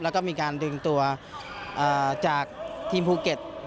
แล้วก็มีการดึงตัวจากทีมภูเก็ต